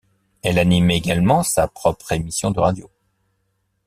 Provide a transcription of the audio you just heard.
Elle anime également sa propre émission de radio.